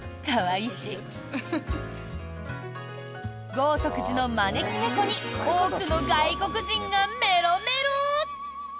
豪徳寺の招き猫に多くの外国人がメロメロ。